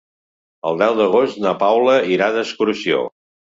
El deu d'agost na Paula irà d'excursió.